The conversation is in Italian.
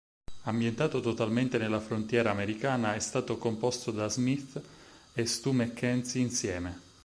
Ambientato totalmente nella frontiera americana, è stato composto da Smith e Stu Mackenzie insieme.